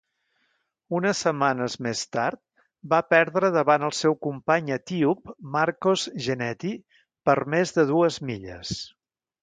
Unes setmanes més tard, va perdre davant el seu company etíop Markos Geneti per més de dues milles.